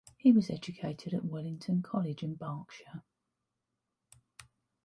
He was educated at Wellington College in Berkshire.